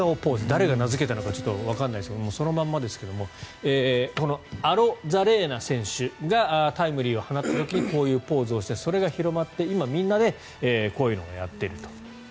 誰が名付けたのかわかりませんがアロザレーナ選手がタイムリーを放った時こういうポーズをしてそれが広まって今、みんなでこういうのをやっていると。